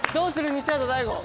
西畑大吾。